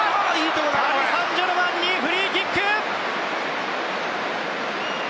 パリ・サンジェルマンにフリーキック！